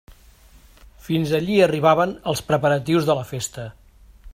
Fins allí arribaven els preparatius de la festa.